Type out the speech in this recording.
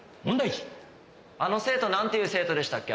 あの生徒なんていう生徒でしたっけ？